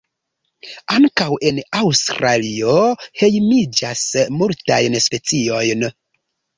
Ankaŭ en Aŭstralio hejmiĝas multajn speciojn.